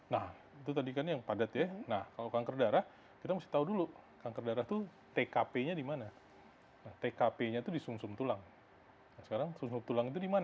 nah itu tadi kan yang padat ya nah kalau kanker darah kita mesti tahu dulu kanker darah itu tkp nya di mana tkp nya itu di sum sum tulang sekarang sum sum tulang itu di mana